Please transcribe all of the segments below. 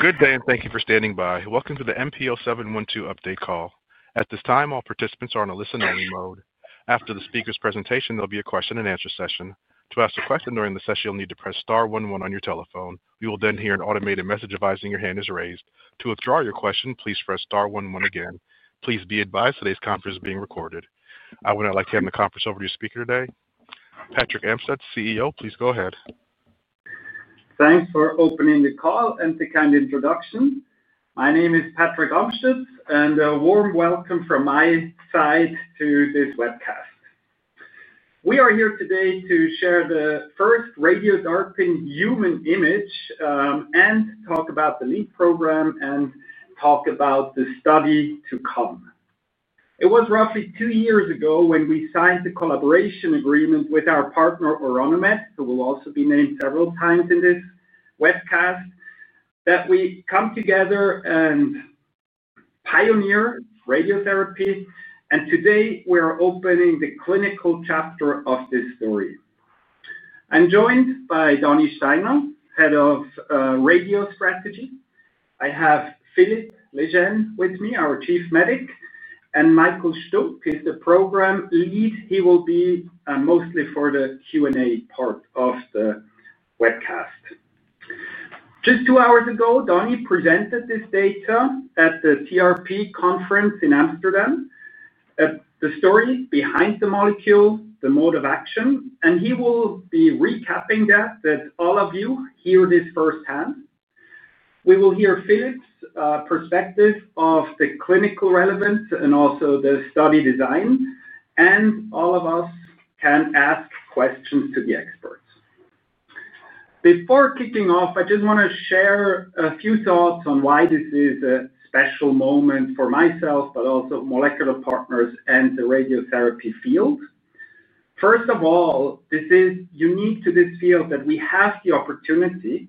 Good day, and thank you for standing by. Welcome to the MP0712 update call. At this time, all participants are on a listen-only mode. After the speaker's presentation, there'll be a question-and-answer session. To ask a question during the session, you'll need to press star 11 on your telephone. You will then hear an automated message advising your hand is raised. To withdraw your question, please press star 11 again. Please be advised today's conference is being recorded. I would now like to hand the conference over to your speaker today, Patrick Amstutz, CEO. Please go ahead. Thanks for opening the call and the kind introduction. My name is Patrick Amstutz, and a warm welcome from my side to this webcast. We are here today to share the first Radio-DARPin human image and talk about the LEAP program and talk about the study to come. It was roughly two years ago when we signed the collaboration agreement with our partner, Orano Med, who will also be named several times in this webcast, that we come together and pioneer radiotherapy. Today, we are opening the clinical chapter of this story. I'm joined by Danny Steiner, Head of Radio Strategy. I have Philippe Legenne with me, our Chief Medic, and Michael Stumpp, who is the Program Lead. He will be mostly for the Q&A part of the webcast. Just two hours ago, Danny presented this data at the TRP conference in Amsterdam, the story behind the molecule, the mode of action, and he will be recapping that so that all of you hear this firsthand. We will hear Philippe's perspective of the clinical relevance and also the study design, and all of us can ask questions to the experts. Before kicking off, I just want to share a few thoughts on why this is a special moment for myself, but also Molecular Partners and the radiotherapy field. First of all, this is unique to this field that we have the opportunity,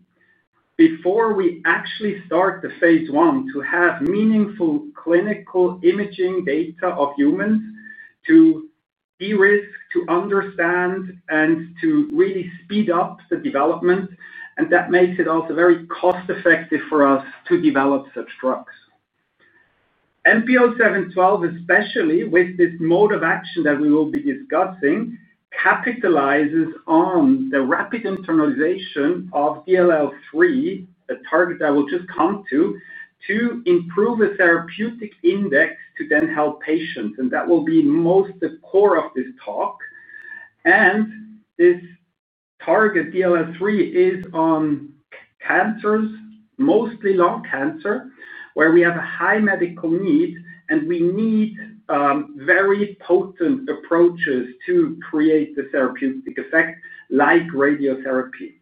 before we actually start the phase I, to have meaningful clinical imaging data of humans to de-risk, to understand, and to really speed up the development. That makes it also very cost-effective for us to develop such drugs. MP0712, especially with this mode of action that we will be discussing, capitalizes on the rapid internalization of DLL3, a target I will just come to, to improve a therapeutic index to then help patients. That will be most the core of this talk. This target, DLL3, is on cancers, mostly lung cancer, where we have a high medical need, and we need very potent approaches to create the therapeutic effect like radiotherapy.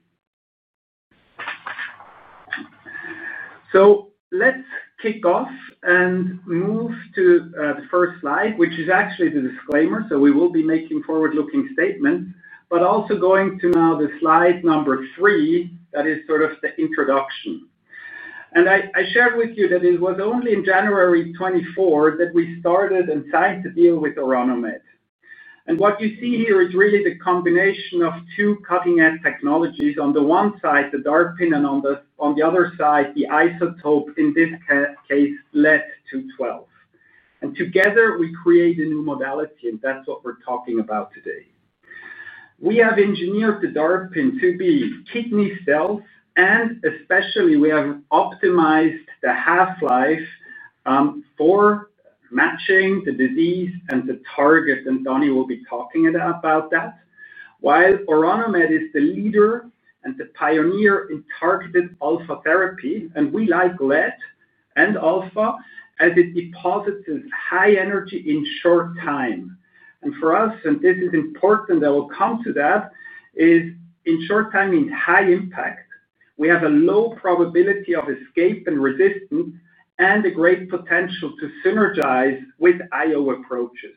Let's kick off and move to the first slide, which is actually the disclaimer. We will be making forward-looking statements, but also going to now the slide number three that is sort of the introduction. I shared with you that it was only in January 2024 that we started and signed the deal with Orano Med. What you see here is really the combination of two cutting-edge technologies. On the one side, the DARPin, and on the other side, the isotope, in this case, lead-212. Together, we create a new modality, and that's what we're talking about today. We have engineered the DARPin to be kidney cells, and especially, we have optimized the half-life for matching the disease and the target, and Danny will be talking about that. While Orano Med is the leader and the pioneer in targeted alpha therapy, and we like lead and alpha as it deposits high energy in short time. For us, and this is important, I will come to that, is in short time means high impact. We have a low probability of escape and resistance and a great potential to synergize with IO approaches.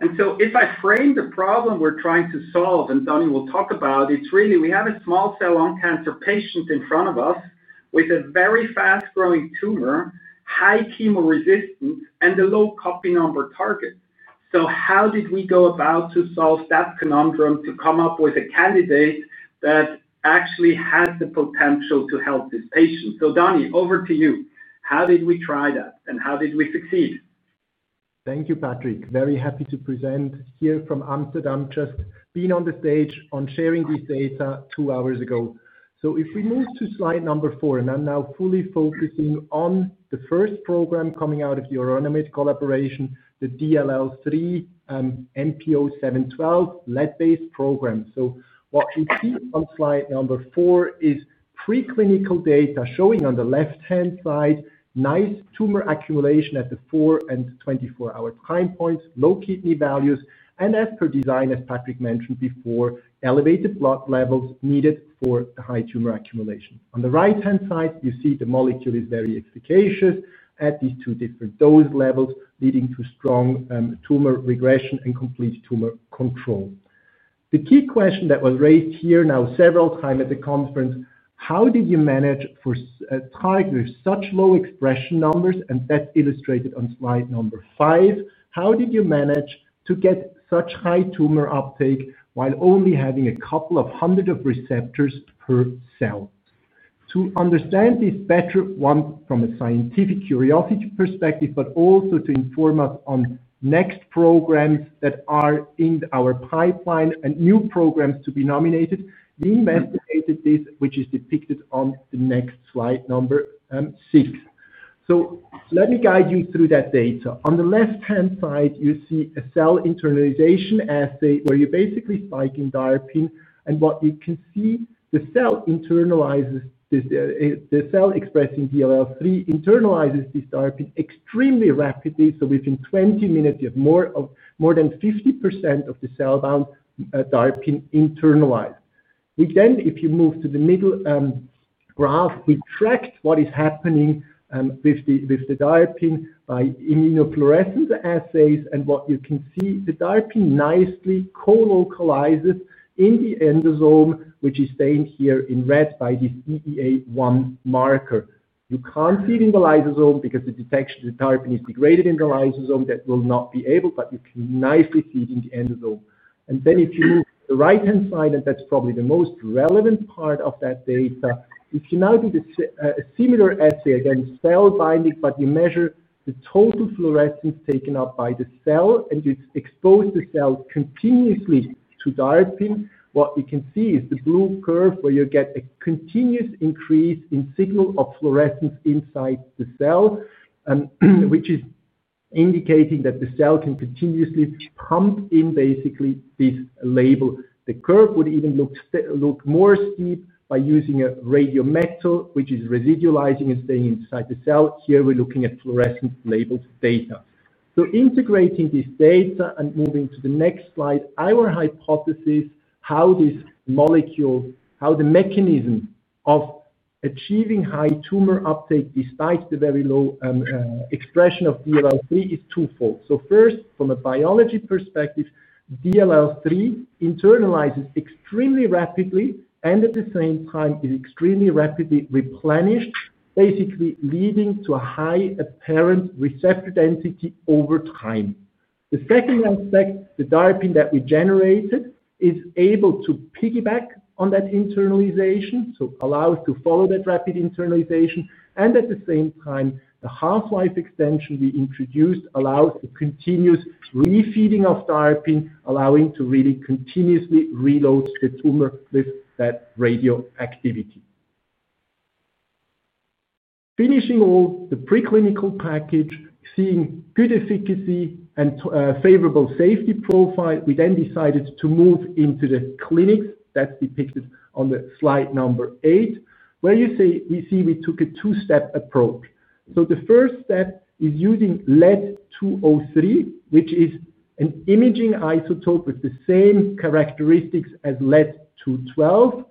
If I frame the problem we're trying to solve, and Danny will talk about it, it's really we have a small cell lung cancer patient in front of us with a very fast-growing tumor, high chemo resistance, and a low copy number target. How did we go about to solve that conundrum to come up with a candidate that actually has the potential to help this patient? Danny, over to you. How did we try that, and how did we succeed? Thank you, Patrick. Very happy to present here from Amsterdam. Just been on the stage on sharing this data two hours ago. If we move to slide number four, and I'm now fully focusing on the first program coming out of the Orano Med collaboration, the DLL3 MP0712 lead-based program. What you see on slide number four is preclinical data showing on the left-hand side nice tumor accumulation at the four and 24-hour time points, low kidney values, and as per design, as Patrick mentioned before, elevated blood levels needed for the high tumor accumulation. On the right-hand side, you see the molecule is very efficacious at these two different dose levels, leading to strong tumor regression and complete tumor control. The key question that was raised here now several times at the conference, how did you manage for targeting such low expression numbers, and that's illustrated on slide number five, how did you manage to get such high tumor uptake while only having a couple of hundreds of receptors per cell? To understand this better, one from a scientific curiosity perspective, but also to inform us on next programs that are in our pipeline and new programs to be nominated, we investigated this, which is depicted on the next slide number six. Let me guide you through that data. On the left-hand side, you see a cell internalization assay where you're basically spiking DARPin, and what you can see, the cell internalizes, the cell expressing DLL3 internalizes this DARPin extremely rapidly. Within 20 minutes, you have more than 50% of the cell bound DARPin internalized. We then, if you move to the middle graph, we tracked what is happening with the DARPin by immunofluorescence assays, and what you can see, the DARPin nicely co-localizes in the endosome, which is stained here in red by this EEA1 marker. You can't see it in the lysosome because the detection of the DARPin is degraded in the lysosome. That will not be able, but you can nicely see it in the endosome. If you move to the right-hand side, and that's probably the most relevant part of that data, you can now do a similar assay against cell binding, but you measure the total fluorescence taken up by the cell, and you expose the cell continuously to DARPin. What you can see is the blue curve where you get a continuous increase in signal of fluorescence inside the cell, which is indicating that the cell can continuously pump in basically this label. The curve would even look more steep by using a radiometal, which is residualizing and staying inside the cell. Here we're looking at fluorescence-labeled data. Integrating this data and moving to the next slide, our hypothesis how this molecule, how the mechanism of achieving high tumor uptake despite the very low expression of DLL3 is twofold. First, from a biology perspective, DLL3 internalizes extremely rapidly and at the same time is extremely rapidly replenished, basically leading to a high apparent receptor density over time. The second aspect, the DARPin that we generated is able to piggyback on that internalization, so allows to follow that rapid internalization, and at the same time, the half-life extension we introduced allows the continuous re-feeding of DARPin, allowing to really continuously reload the tumor with that radioactivity. Finishing all the preclinical package, seeing good efficacy and favorable safety profile, we then decided to move into the clinics. That is depicted on the slide number eight, where we see we took a two-step approach. The first step is using lead-203, which is an imaging isotope with the same characteristics as lead-212.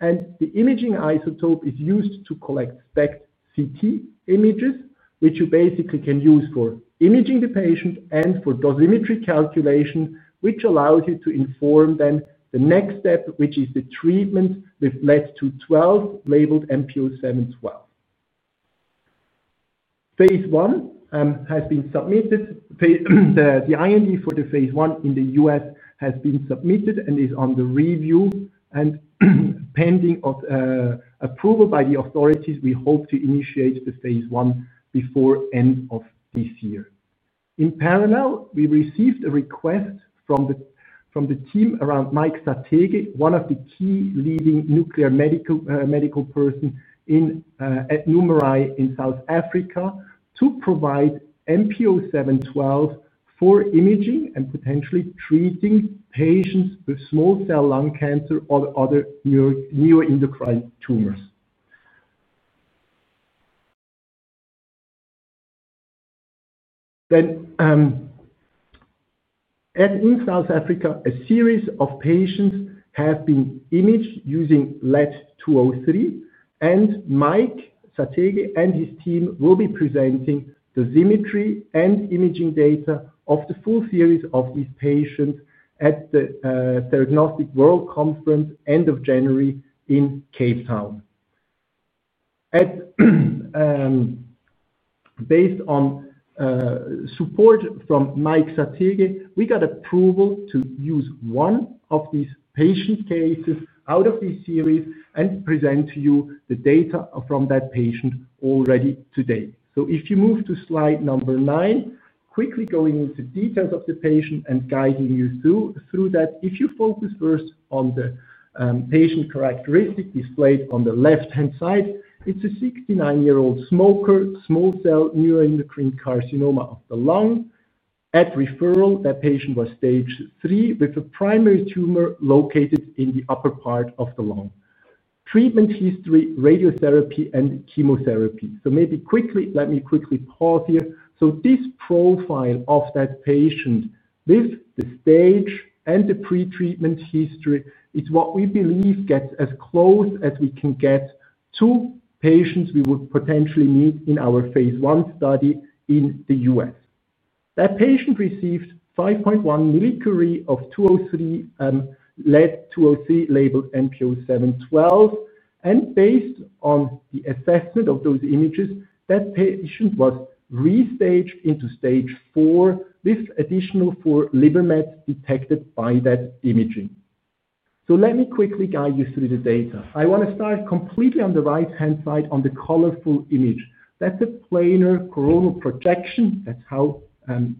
The imaging isotope is used to collect SPECT-CT images, which you basically can use for imaging the patient and for dosimetry calculation, which allows you to inform then the next step, which is the treatment with lead-212 labeled MP0712. Phase I has been submitted. The IND for the phase I in the U.S. has been submitted and is under review and pending of approval by the authorities. We hope to initiate the phase I before the end of this year. In parallel, we received a request from the team around Mike Sathekge, one of the key leading nuclear medical persons at NuMeRI in South Africa, to provide MP0712 for imaging and potentially treating patients with small cell lung cancer or other neuroendocrine tumors. In South Africa, a series of patients have been imaged using lead-203, and Mike Sathekge and his team will be presenting dosimetry and imaging data of the full series of these patients at the Diagnostic World Conference, end of January in Cape Town. Based on support from Mike Sathekge, we got approval to use one of these patient cases out of this series and present to you the data from that patient already today. If you move to slide number nine, quickly going into details of the patient and guiding you through that, if you focus first on the patient characteristic displayed on the left-hand side, it's a 69-year-old smoker, small cell neuroendocrine carcinoma of the lung. At referral, that patient was Stage three with a primary tumor located in the upper part of the lung. Treatment history, radiotherapy, and chemotherapy. Maybe quickly, let me quickly pause here. This profile of that patient with the stage and the pre-treatment history is what we believe gets as close as we can get to patients we would potentially meet in our phase I study in the United States. That patient received 5.1 millicurie of lead-203 labeled MP0712, and based on the assessment of those images, that patient was restaged into Stage four with additional four liver mets detected by that imaging. Let me quickly guide you through the data. I want to start completely on the right-hand side on the colorful image. That is a planar coronal projection. That is how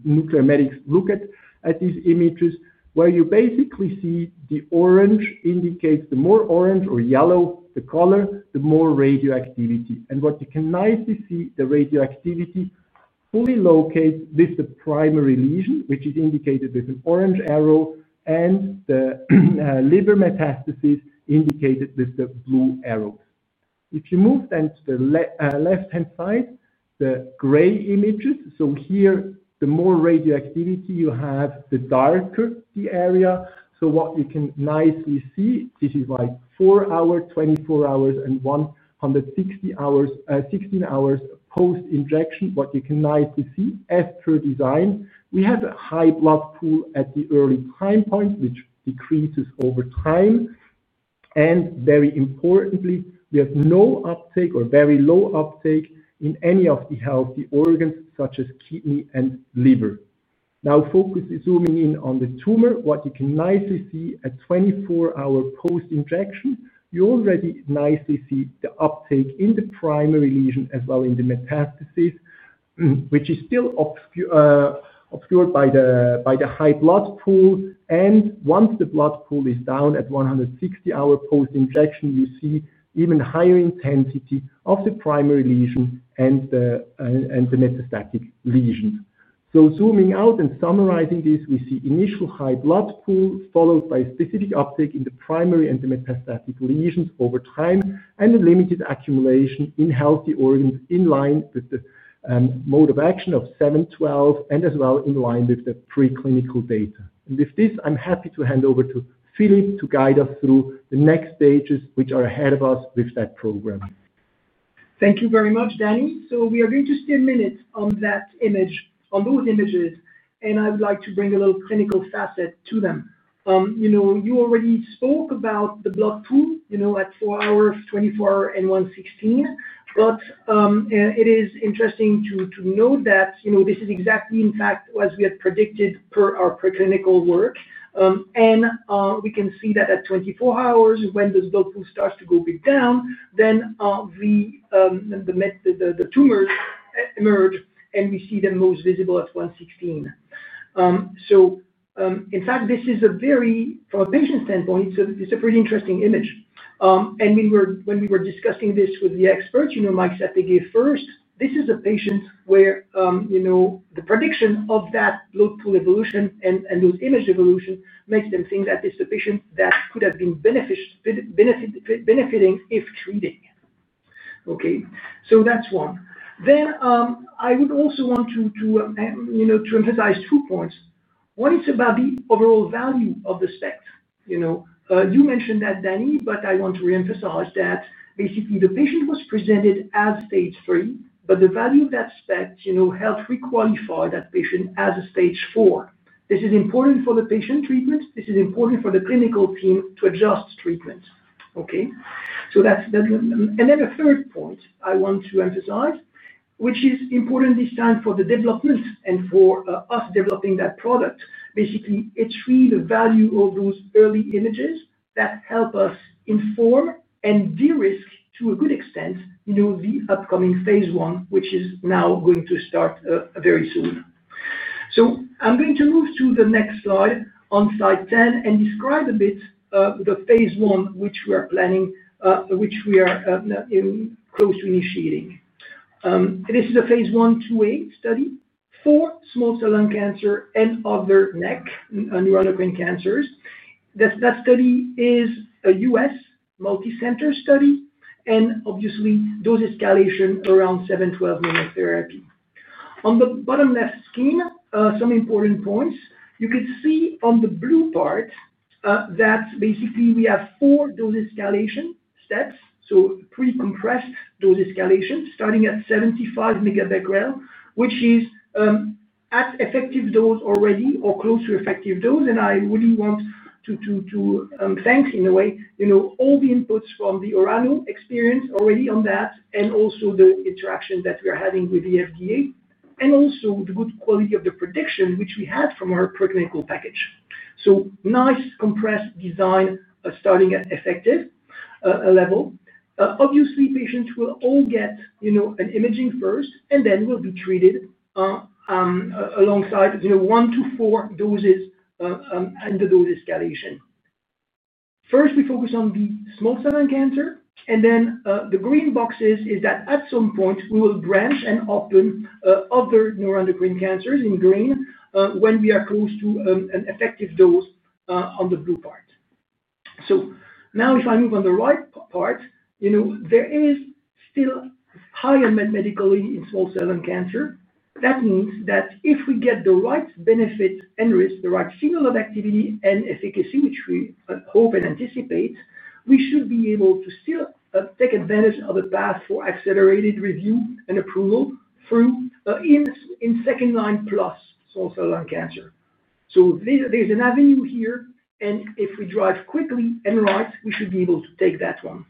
nuclear medics look at these images, where you basically see the orange indicates the more orange or yellow the color, the more radioactivity. What you can nicely see, the radioactivity fully located with the primary lesion, which is indicated with an orange arrow, and the liver metastasis indicated with the blue arrow. If you move then to the left-hand side, the gray images, here, the more radioactivity you have, the darker the area. What you can nicely see, this is like four hours, 24 hours, and 160 hours post-injection. What you can nicely see as per design, we have a high blood pool at the early time point, which decreases over time. Very importantly, we have no uptake or very low uptake in any of the healthy organs such as kidney and liver. Now, focus is zooming in on the tumor. What you can nicely see at 24-hour post-injection, you already nicely see the uptake in the primary lesion as well as in the metastasis, which is still obscured by the high blood pool. Once the blood pool is down at 160-hour post-injection, you see even higher intensity of the primary lesion and the metastatic lesions. Zooming out and summarizing this, we see initial high blood pool followed by specific uptake in the primary and the metastatic lesions over time, and a limited accumulation in healthy organs in line with the mode of action of 712 and as well in line with the preclinical data. With this, I'm happy to hand over to Philippe to guide us through the next stages, which are ahead of us with that program. Thank you very much, Danny. We are going to spend minutes on that image, on those images, and I would like to bring a little clinical facet to them. You already spoke about the blood pool at four hours, 24 hours, and 116, but it is interesting to note that this is exactly, in fact, as we had predicted per our preclinical work. We can see that at 24 hours, when the blood pool starts to go big down, then the tumors emerge, and we see them most visible at 116. In fact, this is a very, from a patient standpoint, it's a pretty interesting image. When we were discussing this with the experts, Mike Sathekge first, this is a patient where the prediction of that blood pool evolution and those image evolution makes them think that it's a patient that could have been benefiting if treated. Okay, that's one. I would also want to emphasize two points. One is about the overall value of the SPECT. You mentioned that, Danny, but I want to reemphasize that basically the patient was presented as Stage three, but the value of that SPECT helped requalify that patient as a Stage four. This is important for the patient treatment. This is important for the clinical team to adjust treatment. Okay, that's the third point I want to emphasize, which is important this time for the development and for us developing that product. Basically, it's really the value of those early images that help us inform and de-risk to a good extent the upcoming phase I, which is now going to start very soon. I'm going to move to the next slide on slide 10 and describe a bit the phase I, which we are planning, which we are close to initiating. This is a phase I, two-way study for small cell lung cancer and other neuroendocrine cancers. That study is a US multi-center study, and obviously, dose escalation around 712 therapy. On the bottom left scheme, some important points. You can see on the blue part that basically we have four dose escalation steps, so pre-compressed dose escalation starting at 75 megabecquerel, which is at effective dose already or close to effective dose. I really want to thank, in a way, all the inputs from the Orano Med experience already on that, and also the interaction that we are having with the FDA, and also the good quality of the prediction, which we had from our preclinical package. Nice compressed design starting at effective level. Obviously, patients will all get an imaging first, and then will be treated alongside one to four doses in the dose escalation. First, we focus on the small cell lung cancer, and then the green box is that at some point, we will branch and open other neuroendocrine cancers in green when we are close to an effective dose on the blue part. If I move on the right part, there is still higher medical need in small cell lung cancer. That means that if we get the right benefits and risks, the right signal of activity and efficacy, which we hope and anticipate, we should be able to still take advantage of a path for accelerated review and approval through in second line plus small cell lung cancer. There is an avenue here, and if we drive quickly and right, we should be able to take that one.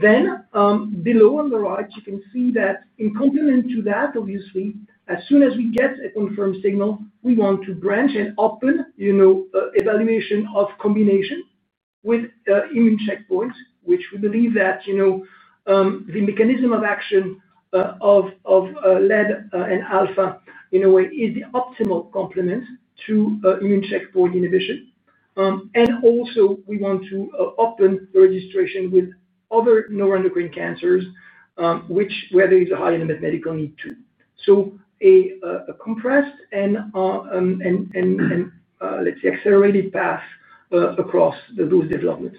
Below on the right, you can see that in complement to that, obviously, as soon as we get a confirmed signal, we want to branch and open evaluation of combination with immune checkpoints, which we believe that the mechanism of action of lead and alpha in a way is the optimal complement to immune checkpoint inhibition. We also want to open registration with other neuroendocrine cancers, where there is a higher medical need too. A compressed and, let's say, accelerated path across those developments.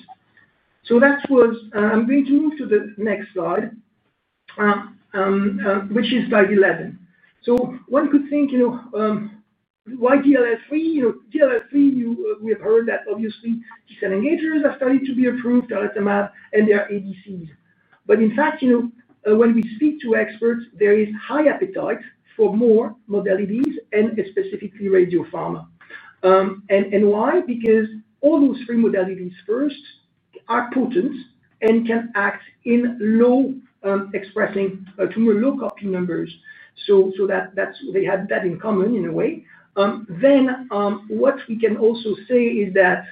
That was, I'm going to move to the next slide, which is slide 11. One could think, why DLL3? DLL3, we have heard that obviously the cell engagers have started to be approved, and there are ADCs. In fact, when we speak to experts, there is high appetite for more modalities and specifically radiopharma. Why? Because all those three modalities first are potent and can act in low expressing tumor, low copy numbers. They have that in common in a way. What we can also say is that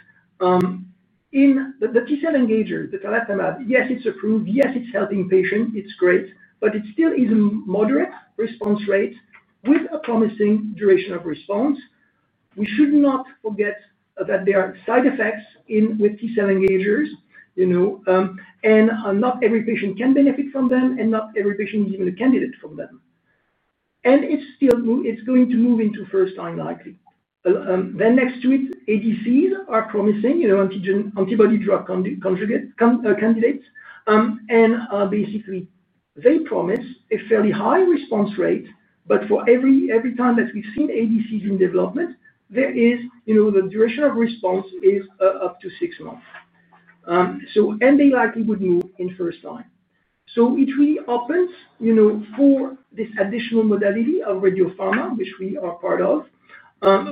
in the T-cell engagers, the tarlatamab, yes, it's approved. Yes, it's helping patients. It's great, but it still is a moderate response rate with a promising duration of response. We should not forget that there are side effects with T cell engagers, and not every patient can benefit from them, and not every patient is even a candidate for them. It's going to move into first line likely. Next to it, ADCs are promising antibody drug candidates. Basically, they promise a fairly high response rate, but for every time that we've seen ADCs in development, the duration of response is up to six months. They likely would move in first line. It really opens for this additional modality of radiopharma, which we are part of.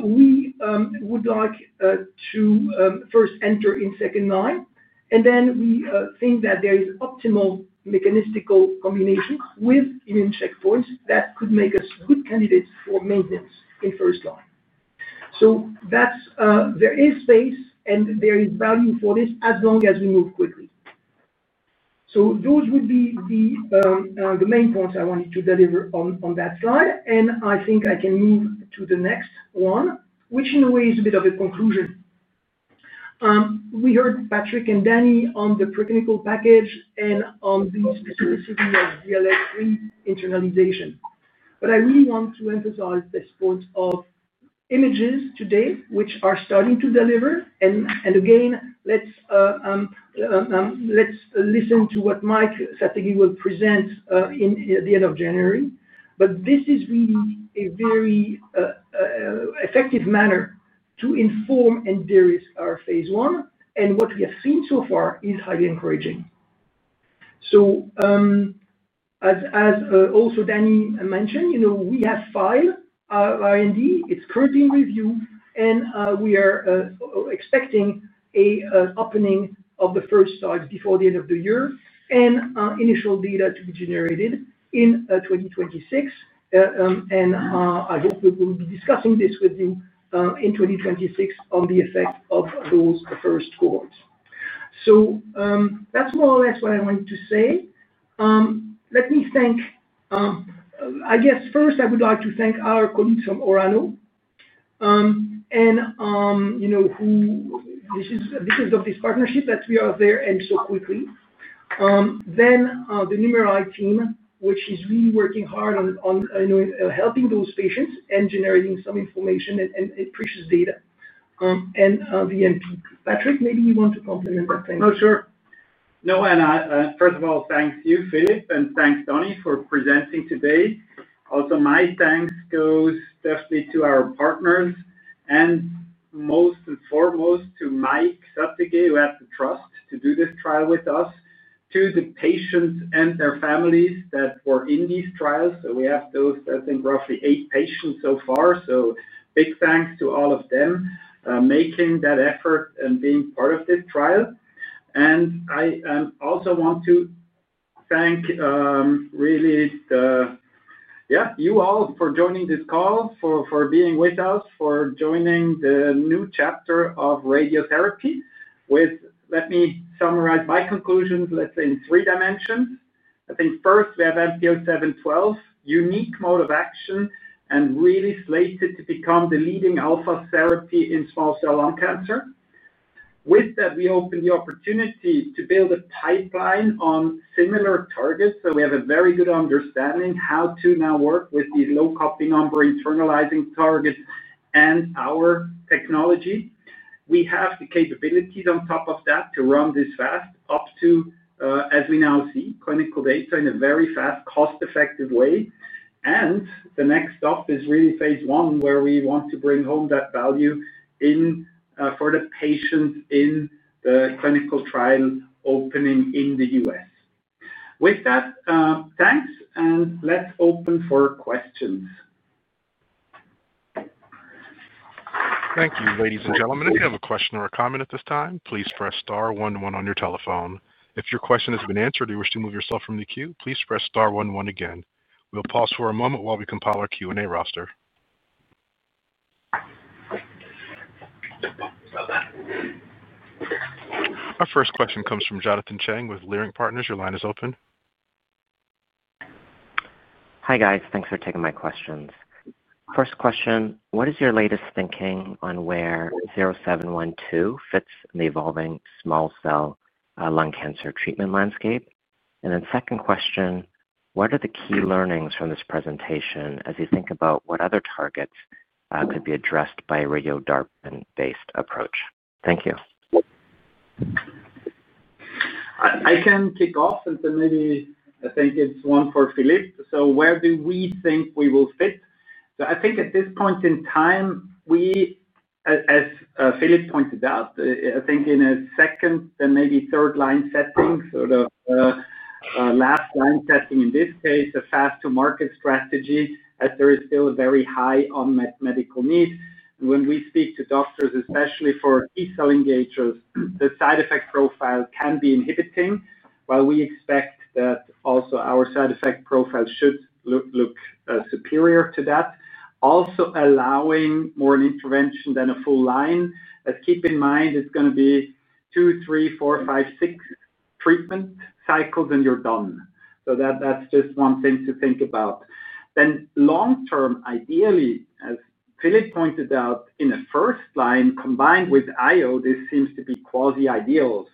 We would like to first enter in second line, and we think that there is optimal mechanistical combination with immune checkpoints that could make us good candidates for maintenance in first line. There is space, and there is value for this as long as we move quickly. Those would be the main points I wanted to deliver on that slide. I think I can move to the next one, which in a way is a bit of a conclusion. We heard Patrick and Danny on the preclinical package and on the specificity of DLL3 internalization. I really want to emphasize this point of images today, which are starting to deliver. Again, let's listen to what Mike Sathekge will present at the end of January. This is really a very effective manner to inform and de-risk our phase I. What we have seen so far is highly encouraging. As also Danny mentioned, we have five R&D. It's currently in review, and we are expecting an opening of the first slides before the end of the year and initial data to be generated in 2026. I hope we will be discussing this with you in 2026 on the effect of those first cohorts. That is more or less what I wanted to say. Let me thank, I guess, first, I would like to thank our colleagues from Orano, and this is because of this partnership that we are there and so quickly. Then the NuMeRI Team, which is really working hard on helping those patients and generating some information and precious data. And the MP. Patrick, maybe you want to complement that thing. No, sure. No, and first of all, thanks to you, Philippe, and thanks, Danny, for presenting today. Also, my thanks goes definitely to our partners, and most and foremost to Mike Sathekge, who had the trust to do this trial with us, to the patients and their families that were in these trials. We have those, I think, roughly eight patients so far. Big thanks to all of them making that effort and being part of this trial. I also want to thank really the, yeah, you all for joining this call, for being with us, for joining the new chapter of radiotherapy with, let me summarize my conclusions, let's say, in three dimensions. I think first, we have MP0712, unique mode of action, and really slated to become the leading alpha therapy in small cell lung cancer. With that, we open the opportunity to build a pipeline on similar targets. We have a very good understanding how to now work with these low copy number internalizing targets and our technology. We have the capabilities on top of that to run this fast up to, as we now see, clinical data in a very fast, cost-effective way. The next stop is really phase I, where we want to bring home that value for the patients in the clinical trial opening in the U.S. With that, thanks, and let's open for questions. Thank you, ladies and gentlemen. If you have a question or a comment at this time, please press star 11 on your telephone. If your question has been answered or you wish to move yourself from the queue, please press star 11 again. We'll pause for a moment while we compile our Q&A roster. Our first question comes from Jonathan Chang with Molecular Partners. Your line is open. Hi guys, thanks for taking my questions. First question, what is your latest thinking on where 0712 fits in the evolving small cell lung cancer treatment landscape? Second question, what are the key learnings from this presentation as you think about what other targets could be addressed by a Radio-DARPin-based approach? Thank you. I can kick off, and then maybe I think it's one for Philippe. Where do we think we will fit? I think at this point in time, as Philippe pointed out, I think in a second and maybe third line setting, sort of last line setting in this case, a fast-to-market strategy as there is still a very high unmet medical need. When we speak to doctors, especially for T-cell engagers, the side effect profile can be inhibiting, while we expect that also our side effect profile should look superior to that. Also allowing more an intervention than a full line. Keep in mind, it's going to be two, three, four, five, six treatment cycles, and you're done. That's just one thing to think about. Long term, ideally, as Philippe pointed out, in a first line combined with IO, this seems to be quasi-ideal.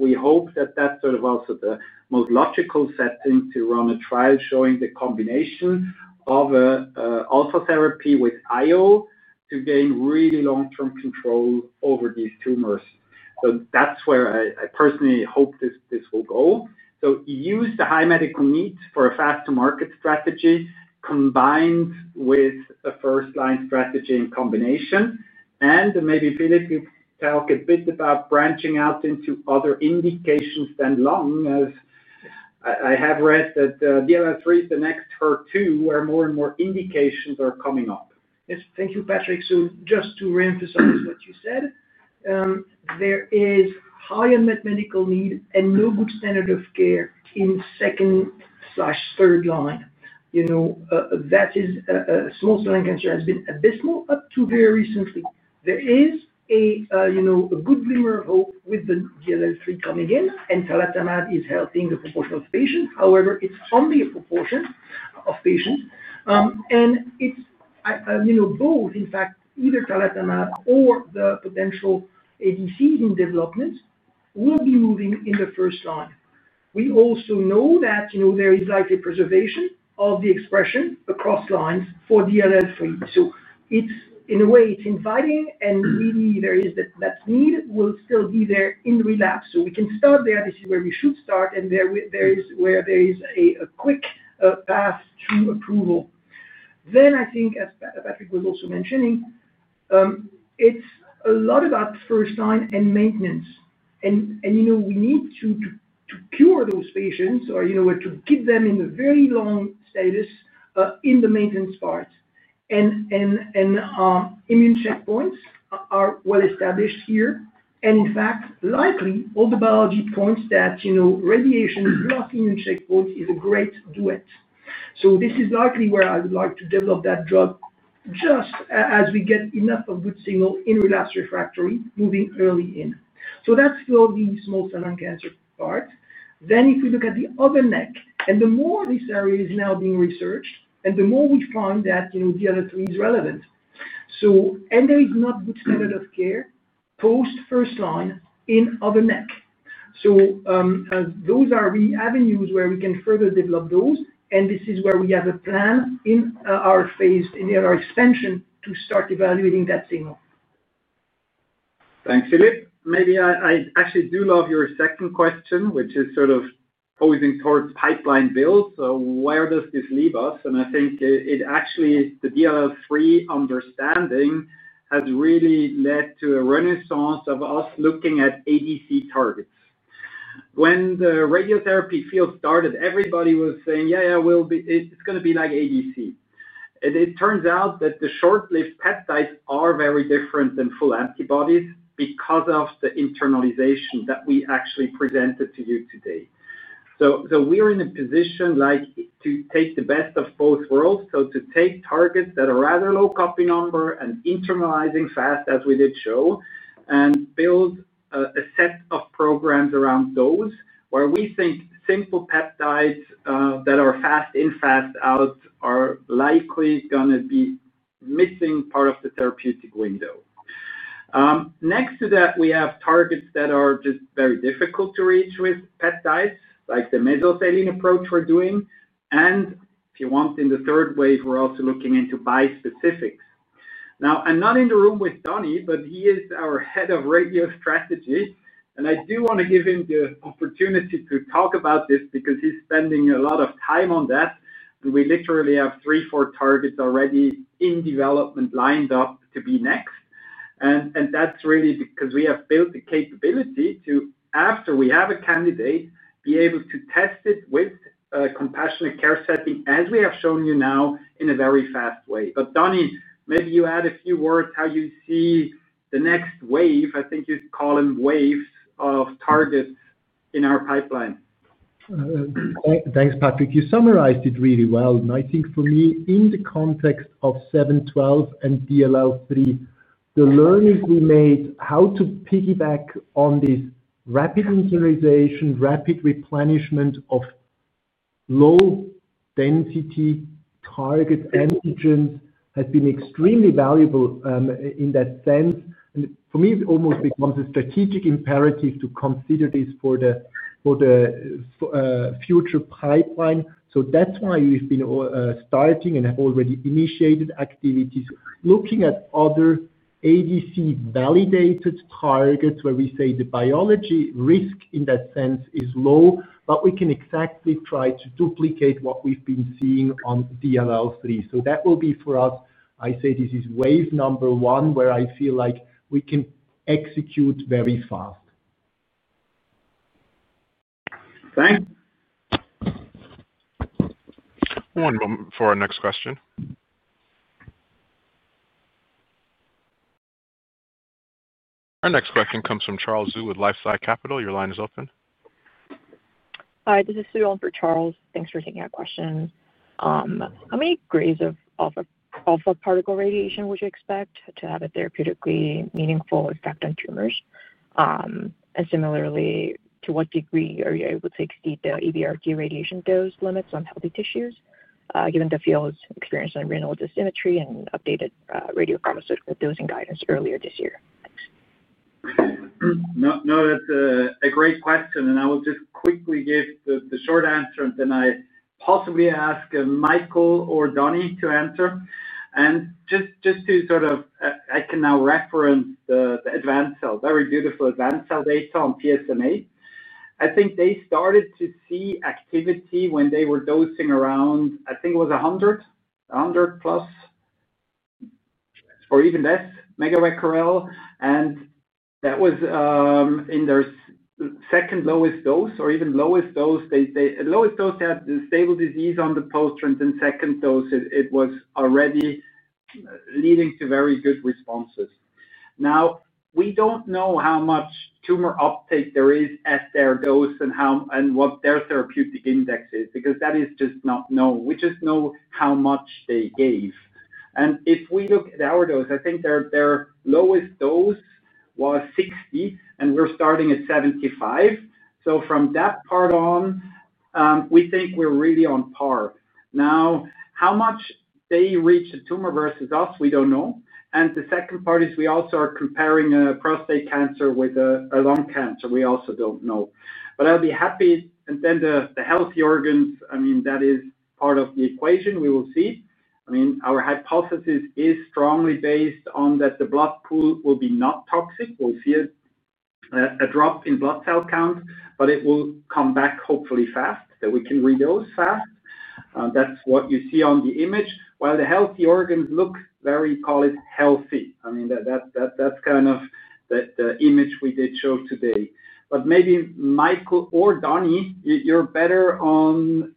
We hope that that's sort of also the most logical setting to run a trial showing the combination of alpha therapy with IO to gain really long-term control over these tumors. That's where I personally hope this will go. Use the high medical needs for a fast-to-market strategy combined with a first line strategy in combination. Maybe Philippe, you talk a bit about branching out into other indications than lung. I have read that DLL3 is the next HER2 where more and more indications are coming up. Yes, thank you, Patrick. Just to reemphasize what you said, there is high unmet medical need and no good standard of care in second/third line. That is, small cell lung cancer has been abysmal up to very recently. There is a good glimmer of hope with the DLL3 coming in, and tarlatamab is helping the proportion of patients. However, it's only a proportion of patients. It's both, in fact, either tarlatamab or the potential ADCs in development will be moving in the first line. We also know that there is likely preservation of the expression across lines for DLL3. In a way, it's inviting, and really, there is that need will still be there in relapse. We can start there. This is where we should start, and there is where there is a quick path to approval. I think, as Patrick was also mentioning, it's a lot about first line and maintenance. We need to cure those patients or to keep them in the very long status in the maintenance part. Immune checkpoints are well established here. In fact, likely, all the biology points that radiation block immune checkpoints is a great duet. This is likely where I would like to develop that drug just as we get enough of good signal in relapse refractory moving early in. That's for the small cell lung cancer part. If we look at the other neck, and the more this area is now being researched, the more we find that DLL3 is relevant. There is not good standard of care post first line in other neck. Those are the avenues where we can further develop those. This is where we have a plan in our phase in our expansion to start evaluating that signal. Thanks, Philippe. Maybe I actually do love your second question, which is sort of posing towards pipeline build. Where does this leave us? I think it actually, the DLL3 understanding has really led to a renaissance of us looking at ADC targets. When the radiotherapy field started, everybody was saying, "Yeah, yeah, it's going to be like ADC." It turns out that the short-lived peptides are very different than full antibodies because of the internalization that we actually presented to you today. We are in a position to take the best of both worlds, to take targets that are rather low copy number and internalizing fast, as we did show, and build a set of programs around those where we think simple peptides that are fast in, fast out are likely going to be missing part of the therapeutic window. Next to that, we have targets that are just very difficult to reach with peptides, like the mesothelin approach we are doing. If you want, in the third wave, we are also looking into bispecifics. I am not in the room with Danny, but he is our Head of Radio Strategy. I do want to give him the opportunity to talk about this because he is spending a lot of time on that. We literally have three, four targets already in development lined up to be next. That is really because we have built the capability to, after we have a candidate, be able to test it with compassionate care setting, as we have shown you now, in a very fast way. Danny, maybe you add a few words how you see the next wave. I think you would call them waves of targets in our pipeline. Thanks, Patrick. You summarized it really well. I think for me, in the context of 712 and DLL3, the learnings we made, how to piggyback on this rapid internalization, rapid replenishment of low-density target antigens has been extremely valuable in that sense. For me, it almost becomes a strategic imperative to consider this for the future pipeline. That is why we have been starting and have already initiated activities looking at other ADC-validated targets where we say the biology risk in that sense is low, but we can exactly try to duplicate what we have been seeing on DLL3. That will be for us, I say this is wave number one where I feel like we can execute very fast. Thanks. One moment for our next question. Our next question comes from Charles Zhu with LifeSci Capital. Your line is open. Hi, this is Sue Elm for Charles. Thanks for taking that question. How many grades of alpha particle radiation would you expect to have a therapeutically meaningful effect on tumors? Similarly, to what degree are you able to exceed the EBRD radiation dose limits on healthy tissues, given the field's experience on renal dosimetry and updated radiopharmaceutical dosing guidance earlier this year? No, that's a great question. I will just quickly give the short answer, and then I possibly ask Michael or Danny to answer. Just to sort of, I can now reference the advanced cell, very beautiful advanced cell data on PSMA. I think they started to see activity when they were dosing around, I think it was 100, 100 plus, or even less, megabecquerel. That was in their second lowest dose or even lowest dose. The lowest dose had the stable disease on the post-trench and second dose, it was already leading to very good responses. Now, we don't know how much tumor uptake there is at their dose and what their therapeutic index is because that is just not known. We just know how much they gave. If we look at our dose, I think their lowest dose was 60, and we're starting at 75. From that part on, we think we're really on par. Now, how much they reached the tumor versus us, we don't know. The second part is we also are comparing prostate cancer with a lung cancer. We also don't know. I'll be happy. The healthy organs, I mean, that is part of the equation. We will see. I mean, our hypothesis is strongly based on that the blood pool will be not toxic. We'll see a drop in blood cell count, but it will come back hopefully fast that we can read those fast. That's what you see on the image. While the healthy organs look very, call it healthy. I mean, that's kind of the image we did show today. Maybe Michael or Danny, you're better on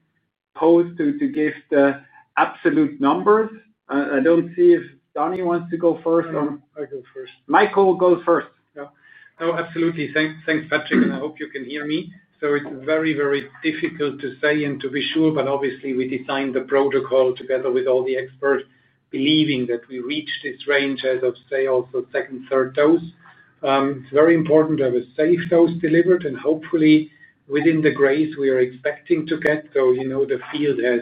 post to give the absolute numbers. I do not see if Danny wants to go first or. I'll go first. Michael goes first. Yeah. No, absolutely. Thanks, Patrick. I hope you can hear me. It is very, very difficult to say and to be sure, but obviously, we designed the protocol together with all the experts believing that we reach this range as of, say, also second, third dose. It is very important to have a safe dose delivered and hopefully within the grace we are expecting to get. The field has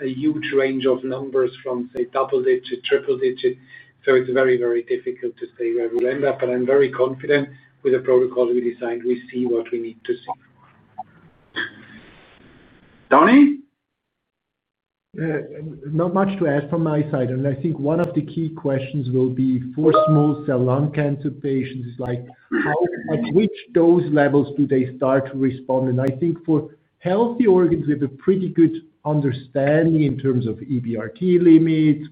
a huge range of numbers from, say, double digit, triple digit. It is very, very difficult to say where we will end up. I am very confident with the protocol we designed, we see what we need to see. Danny? Not much to add from my side. I think one of the key questions will be for small cell lung cancer patients is, at which dose levels do they start to respond? I think for healthy organs, we have a pretty good understanding in terms of EBRT limits.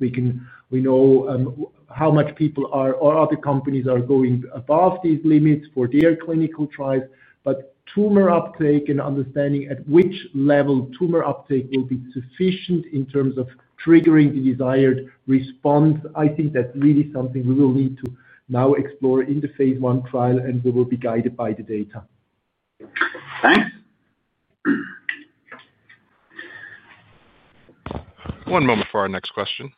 We know how much people or other companies are going above these limits for their clinical trials. Tumor uptake and understanding at which level tumor uptake will be sufficient in terms of triggering the desired response, I think that's really something we will need to now explore in the phase I trial, and we will be guided by the data. Thanks. One moment for our next question.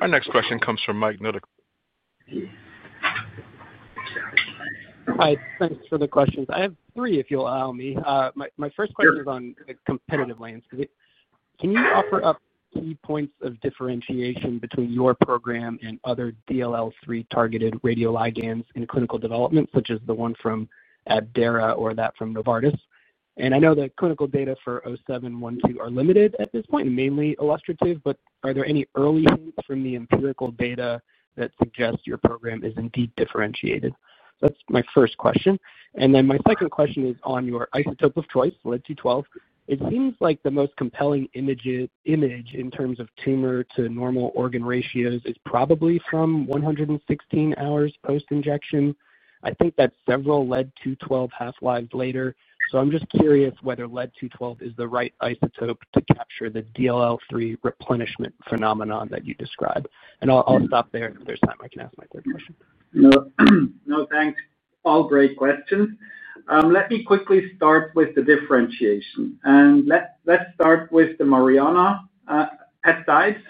Our next question comes from Mike Sathekge. Hi, thanks for the questions. I have three, if you'll allow me. My first question is on the competitive lanes. Can you offer up key points of differentiation between your program and other DLL3 targeted radioligands in clinical development, such as the one from Abdera or that from Novartis? I know the clinical data for 0712 are limited at this point and mainly illustrative, but are there any early hints from the empirical data that suggest your program is indeed differentiated? That's my first question. My second question is on your isotope of choice, lead-212. It seems like the most compelling image in terms of tumor to normal organ ratios is probably from 116 hours post-injection. I think that's several lead-212 half-lives later. I'm just curious whether lead-212 is the right isotope to capture the DLL3 replenishment phenomenon that you describe. I'll stop there. If there's time, I can ask my third question. No, thanks. All great questions. Let me quickly start with the differentiation. Let me start with the Mariana peptides.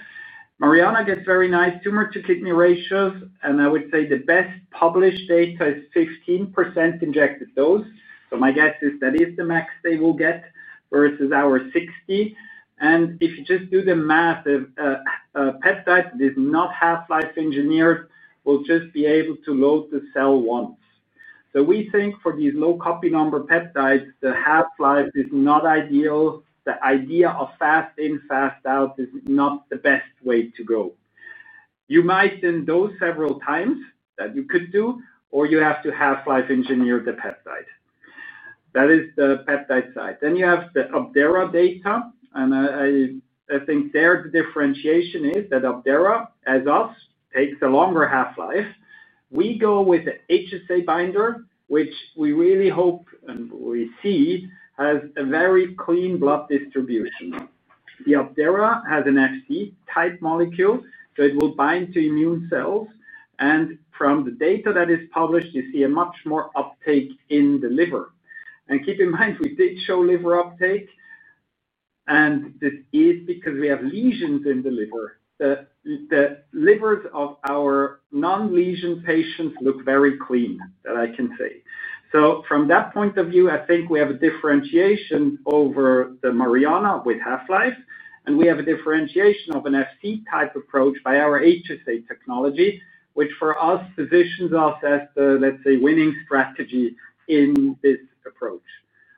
Mariana gets very nice tumor to kidney ratios. I would say the best published data is 15% injected dose. My guess is that is the max they will get versus our 60%. If you just do the math, a peptide that is not half-life engineered will just be able to load the cell once. We think for these low copy number peptides, the half-life is not ideal. The idea of fast in, fast out is not the best way to go. You might then dose several times that you could do, or you have to half-life engineer the peptide. That is the peptide side. You have the Abderra data. I think there the differentiation is that Abderra, as us, takes a longer half-life. We go with the HSA binder, which we really hope and we see has a very clean blood distribution. The Abderra has an FD-type molecule, so it will bind to immune cells. From the data that is published, you see a much more uptake in the liver. Keep in mind, we did show liver uptake. This is because we have lesions in the liver. The livers of our non-lesion patients look very clean, that I can say. From that point of view, I think we have a differentiation over the Mariana with half-life. We have a differentiation of an FD-type approach by our HSA technology, which for us positions us as the, let's say, winning strategy in this approach.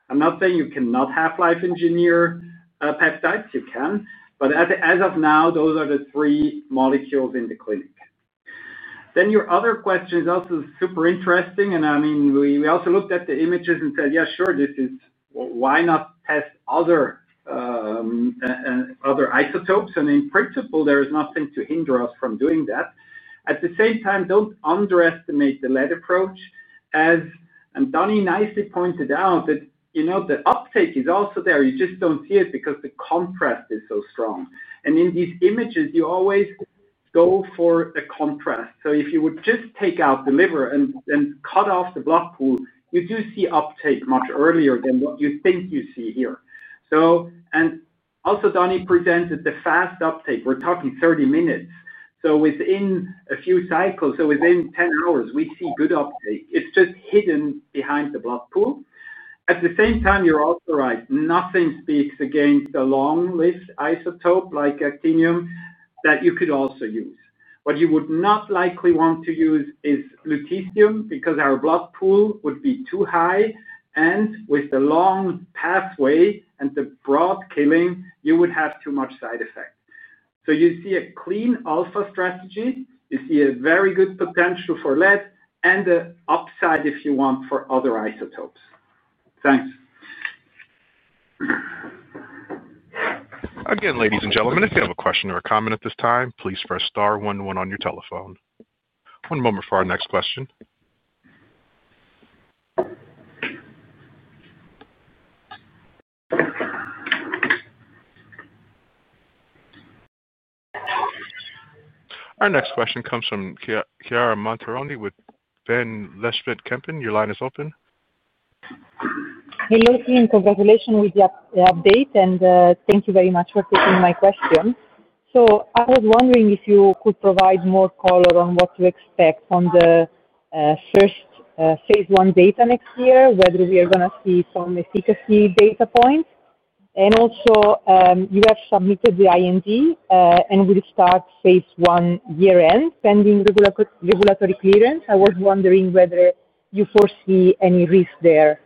I'm not saying you cannot half-life engineer peptides. You can. As of now, those are the three molecules in the clinic. Your other question is also super interesting. I mean, we also looked at the images and said, "Yeah, sure, why not test other isotopes?" In principle, there is nothing to hinder us from doing that. At the same time, do not underestimate the lead approach. As Danny nicely pointed out, the uptake is also there. You just do not see it because the contrast is so strong. In these images, you always go for the contrast. If you would just take out the liver and cut off the blood pool, you do see uptake much earlier than what you think you see here. Also, Danny presented the fast uptake. We are talking 30 minutes. Within a few cycles, so within 10 hours, we see good uptake. It is just hidden behind the blood pool. At the same time, you are also right. Nothing speaks against a long-lived isotope like actinium that you could also use. What you would not likely want to use is lutetium because our blood pool would be too high. With the long pathway and the broad killing, you would have too much side effect. You see a clean alpha strategy. You see a very good potential for lead and the upside, if you want, for other isotopes. Thanks. Again, ladies and gentlemen, if you have a question or a comment at this time, please press star 11 on your telephone. One moment for our next question. Our next question comes from Chiara Monteroni with Van Lanschot Kempen. Your line is open. Hello team. Congratulations with the update. Thank you very much for taking my question. I was wondering if you could provide more color on what to expect on the first phase I data next year, whether we are going to see some efficacy data points. Also, you have submitted the IND, and we'll start phase I year-end, pending regulatory clearance. I was wondering whether you foresee any risk there.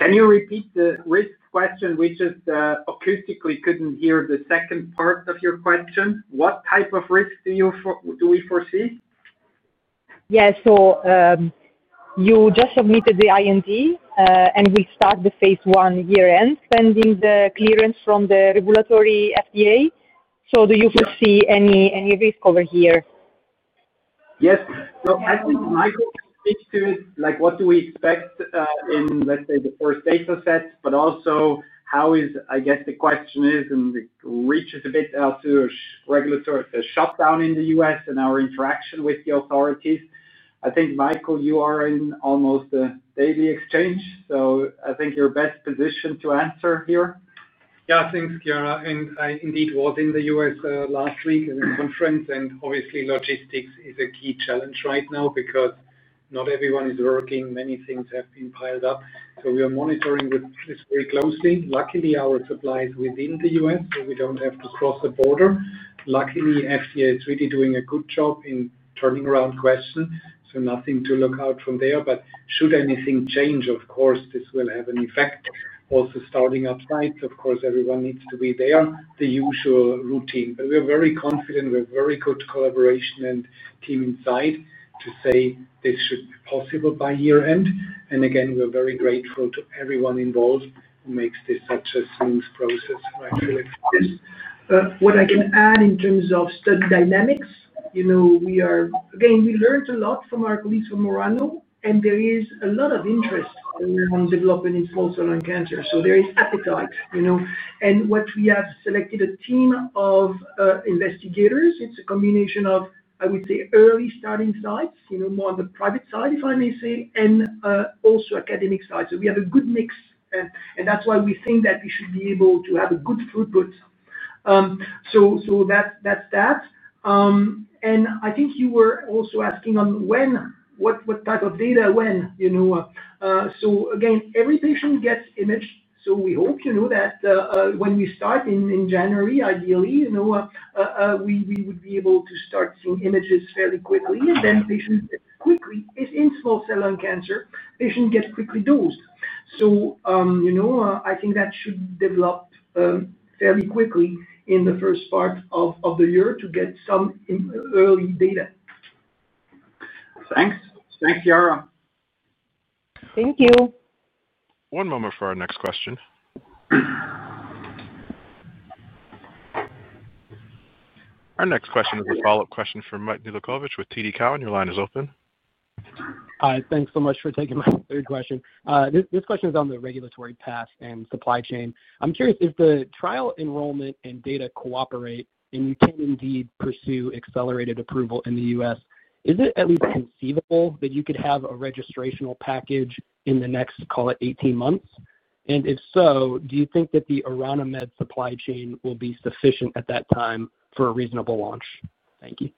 Can you repeat the risk question, which is acoustically couldn't hear the second part of your question? What type of risk do we foresee? Yes. So you just submitted the IND, and we start the phase I year-end pending the clearance from the regulatory FDA. Do you foresee any risk over here? Yes. I think Michael can speak to it. What do we expect in, let's say, the first data set, but also how is, I guess, the question is, and it reaches a bit to regulatory shutdown in the U.S. and our interaction with the authorities. I think, Michael, you are in almost a daily exchange. I think you're best positioned to answer here. Yeah, thanks, Chiara. I indeed was in the U.S. last week in a conference. Obviously, logistics is a key challenge right now because not everyone is working. Many things have been piled up. We are monitoring this very closely. Luckily, our supply is within the U.S., so we do not have to cross the border. Luckily, FDA is really doing a good job in turning around questions. Nothing to look out from there. Should anything change, of course, this will have an effect. Also, starting upsides, of course, everyone needs to be there, the usual routine. We are very confident. We have very good collaboration and team inside to say this should be possible by year-end. Again, we are very grateful to everyone involved who makes this such a smooth process. What I can add in terms of study dynamics, again, we learned a lot from our colleagues from Orano Med, and there is a lot of interest in developing in small cell lung cancer. There is appetite. What we have selected is a team of investigators. It's a combination of, I would say, early starting sites, more on the private side, if I may say, and also academic side. We have a good mix. That is why we think that we should be able to have a good throughput. That is that. I think you were also asking on what type of data, when. Again, every patient gets imaged. We hope that when we start in January, ideally, we would be able to start seeing images fairly quickly. Then patients get quickly, in small cell lung cancer, patients get quickly dosed. I think that should develop fairly quickly in the first part of the year to get some early data. Thanks. Thanks, Chiara. Thank you. One moment for our next question. Our next question is a follow-up question from Mike Nedelcovych with TD Cowen. Your line is open. Hi. Thanks so much for taking my third question. This question is on the regulatory path and supply chain. I'm curious, if the trial enrollment and data cooperate and you can indeed pursue accelerated approval in the U.S., is it at least conceivable that you could have a registrational package in the next, call it, 18 months? If so, do you think that the Orano Med supply chain will be sufficient at that time for a reasonable launch? Thank you.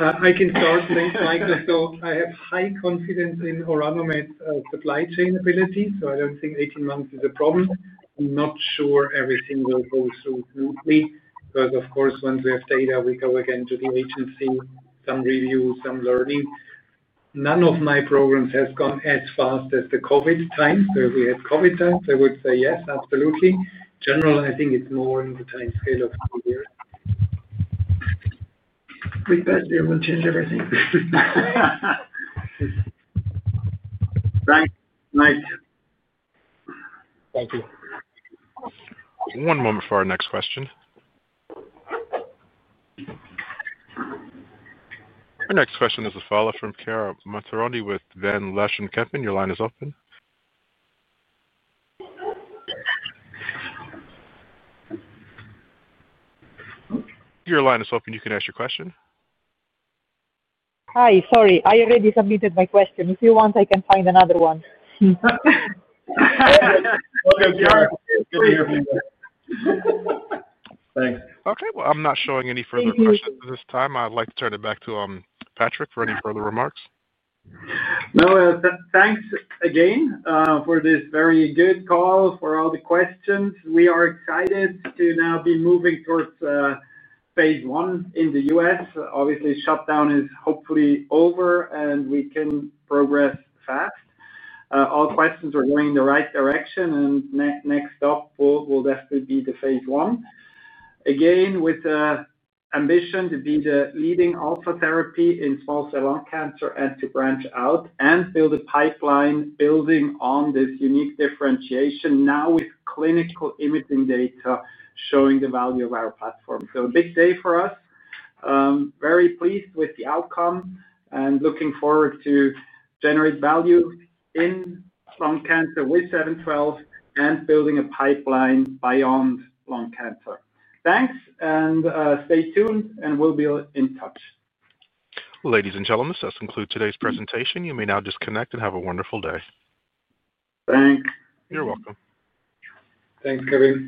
I can start, thanks, Michael. I have high confidence in Orano Med's supply chain ability. I do not think 18 months is a problem. I am not sure everything will go so smoothly because, of course, once we have data, we go again to the agency, some review, some learning. None of my programs has gone as fast as the COVID time. If we had COVID times, I would say yes, absolutely. Generally, I think it is more in the time scale of two years. Quick question will change everything. Thanks, Mike. Thank you. One moment for our next question. Our next question is a follow-up from Chiara Monteroni with Ben Leshment Kempen. Your line is open. You can ask your question. Hi. Sorry. I already submitted my question. If you want, I can find another one. Thanks. Okay. I'm not showing any further questions at this time. I'd like to turn it back to Patrick for any further remarks. No, thanks again for this very good call, for all the questions. We are excited to now be moving towards phase I in the U.S. Obviously, shutdown is hopefully over, and we can progress fast. All questions are going in the right direction. Next stop will definitely be the phase I. Again, with the ambition to be the leading alpha therapy in small cell lung cancer and to branch out and build a pipeline building on this unique differentiation, now with clinical imaging data showing the value of our platform. A big day for us. Very pleased with the outcome and looking forward to generate value in lung cancer with 712 and building a pipeline beyond lung cancer. Thanks. Stay tuned, and we'll be in touch. Ladies and gentlemen, this does conclude today's presentation. You may now disconnect and have a wonderful day. Thanks. You're welcome. Thanks, Kevin.